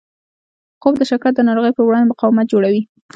خوب د شکر ناروغۍ پر وړاندې مقاومت جوړوي